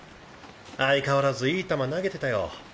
相変わらずいい球投げてたよ。